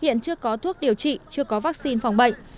hiện chưa có thuốc điều trị chưa có vaccine phòng bệnh